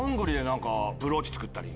ブローチ。